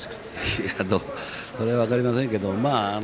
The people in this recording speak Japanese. いやそれは分かりませんけど。